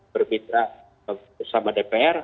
bermitra sama dpr